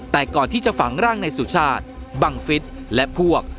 แต่ก่อนที่จะฝังร่างในสุชาติบังฟิศและพวก